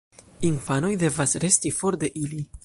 Infanoj devas resti for de ili.